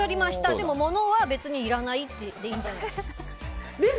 でも、物は別にいらないって言っていいんじゃないですか？